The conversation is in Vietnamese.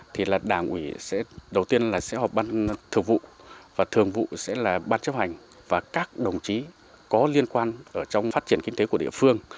thì là đảng ủy sẽ đầu tiên là sẽ họp ban thường vụ và thường vụ sẽ là ban chấp hành và các đồng chí có liên quan trong phát triển kinh tế của địa phương